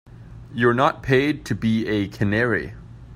You're not paid to be a canary.